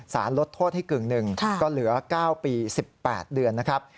สารลดโทษให้กึ่งหนึ่งก็เหลือ๙ปี๑๘เดือนนะครับ